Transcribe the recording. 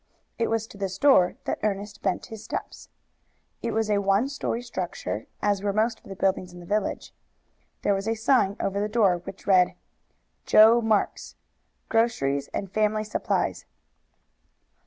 It was to the store that Ernest bent his steps. It was a one story structure, as were most of the buildings in the village. There was a sign over the door which read: JOE MARKS, Groceries and Family Supplies.